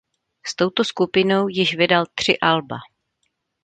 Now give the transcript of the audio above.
S touto skupinou již vydal tři alba.